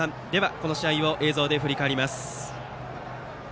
この試合を映像で振り返ります。